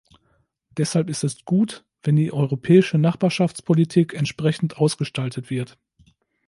Deshalb ist es gut, wenn die Europäische Nachbarschaftspolitik entsprechend ausgestaltet wird.